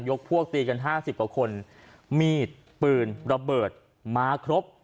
ยกพวกตีกันห้าสิบกว่าคนมีดปืนระเบิดม้าครบครับ